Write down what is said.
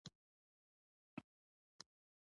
د خاورو زور و؛ نه دې اورېدل.